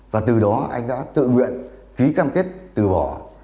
và từ đó anh đã tự nguyện ký cam kết từ bỏ